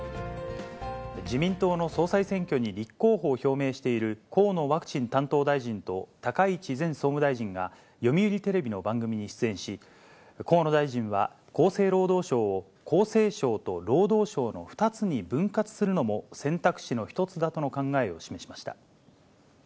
自民党の総裁選挙に立候補を表明している河野ワクチン担当大臣と高市前総務大臣が、読売テレビの番組に出演し、河野大臣は厚生労働省を厚生省と労働省の２つに分割するのも、選択肢の一つだとの考えを示しました。